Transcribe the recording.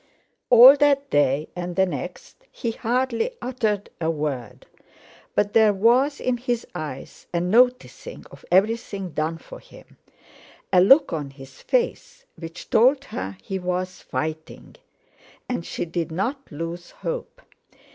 All that day and the next he hardly uttered a word, but there was in his eyes a noticing of everything done for him, a look on his face which told her he was fighting; and she did not lose hope.